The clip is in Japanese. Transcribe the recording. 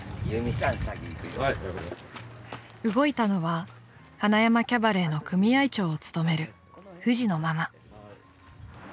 ［動いたのは塙山キャバレーの組合長を務めるふじのママ］